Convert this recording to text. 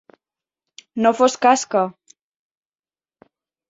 No fos cas que.